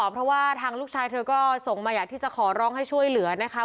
เพราะว่าทางลูกชายเธอก็ส่งมาอยากที่จะขอร้องให้ช่วยเหลือนะคะ